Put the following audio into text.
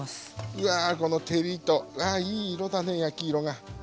うわこの照りとああいい色だね焼き色が。